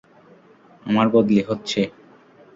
আমার বদলি হচ্ছে।